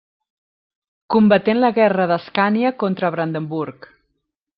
Combaté en la Guerra d’Escània contra Brandenburg.